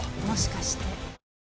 もしかして。